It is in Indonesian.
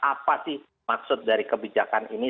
apa sih maksud dari kebijakan ini